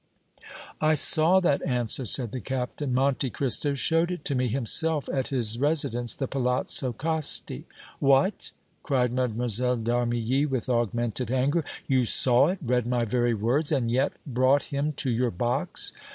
"I saw that answer," said the Captain. "Monte Cristo showed it to me himself at his residence, the Palazzo Costi." "What!" cried Mlle. d' Armilly, with augmented anger. "You saw it, read my very words, and yet brought him to your box?"